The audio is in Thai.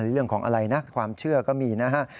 เรื่องของอะไรนะความเชื่อก็มีนะฮะ